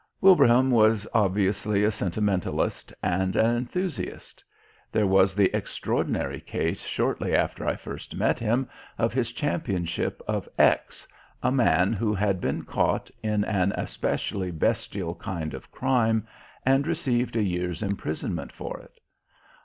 Wilbraham was obviously a sentimentalist and an enthusiast; there was the extraordinary case shortly after I first met him of his championship of X, a man who had been caught in an especially bestial kind of crime and received a year's imprisonment for it.